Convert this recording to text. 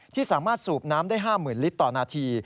ที่สามารถสูบน้ำได้๕๐๐๐ลิตรต่อนาที